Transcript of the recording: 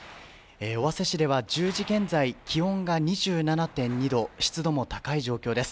尾鷲市では１０時現在、気温が２７．２度、湿度も高い状況です。